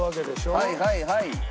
はいはいはい。